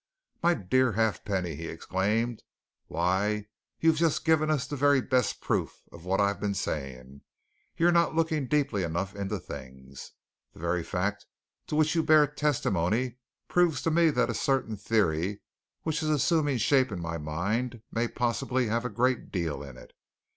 "My dear Halfpenny!" he exclaimed. "Why, you've just given us the very best proof of what I've been saying! You're not looking deeply enough into things. The very fact to which you bear testimony proves to me that a certain theory which is assuming shape in my mind may possibly have a great deal in it.